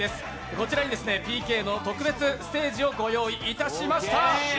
こちらにＰＫの特別ステージをご用意いたしました。